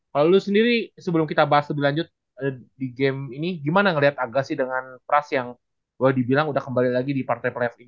kalau lu sendiri sebelum kita bahas lebih lanjut di game ini gimana ngelihat agak sih dengan pras yang boleh dibilang udah kembali lagi di partai pris ini